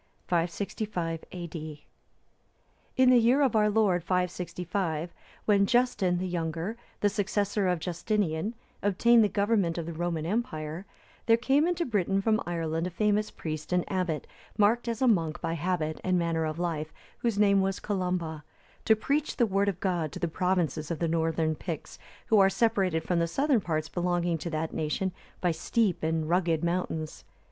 [565 A.D.] In the year of our Lord 565, when Justin, the younger, the successor of Justinian, obtained the government of the Roman empire, there came into Britain from Ireland a famous priest and abbot, marked as a monk by habit and manner of life, whose name was Columba,(301) to preach the word of God to the provinces of the northern Picts, who are separated from the southern parts belonging to that nation by steep and rugged mountains.